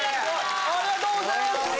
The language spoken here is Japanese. ありがとうございます！